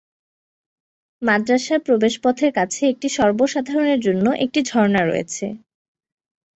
মাদ্রাসার প্রবেশপথের কাছে একটি সর্বসাধারণের জন্য একটি ঝর্ণা রয়েছে।